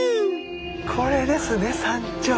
これですね山頂。